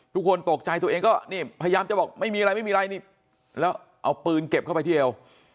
ทุกคนตกใจตัวเองก็นี่พยายามจะบอกไม่มีอะไรไม่มีอะไรนี่แล้วเอาปืนเก็บเข้าไปที่เอว